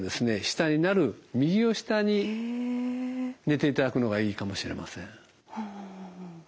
下になる右を下に寝ていただくのがいいかもしれません。